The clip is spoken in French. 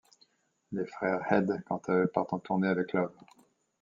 Les frères Head quant-à-eux partent en tournée avec Love.